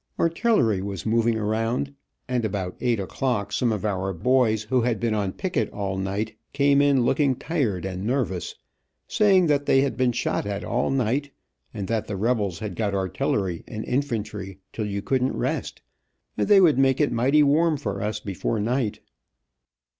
Artillery was moving around, and about eight o clock some of our boys who had been on picket all night, came in looking tired and nervous, saying they had been shot at all night, and that the rebels had got artillery and infantry till you couldn't rest, and they would make it mighty warm for us before night.